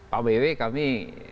pak bw kami